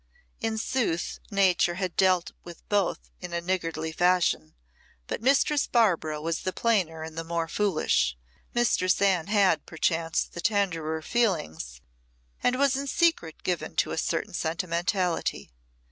In sooth, Nature had dealt with both in a niggardly fashion, but Mistress Barbara was the plainer and the more foolish. Mistress Anne had, perchance, the tenderer feelings, and was in secret given to a certain sentimentality.